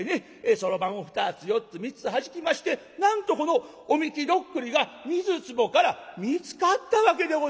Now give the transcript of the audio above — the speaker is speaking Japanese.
そろばんを２つ４つ３つはじきましてなんとこの御神酒徳利が水壺から見つかったわけでございます。